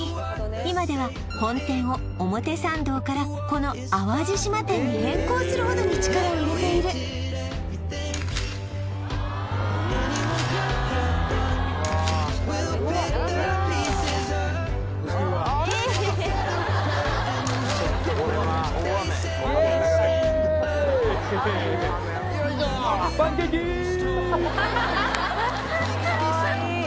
今では本店を表参道からこの淡路島店に変更するほどに力を入れているよいしょかわいい